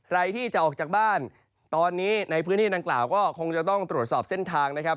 ใครที่จะออกจากบ้านตอนนี้ในพื้นที่ดังกล่าวก็คงจะต้องตรวจสอบเส้นทางนะครับ